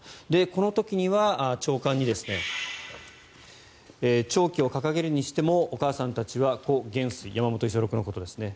この時には朝刊に弔旗を掲げるにしてもお母さんたちは故元帥山本五十六のことですね